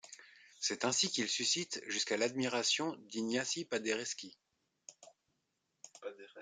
C'est ainsi qu'il suscite jusqu'à l'admiration d'Ignacy Paderewski.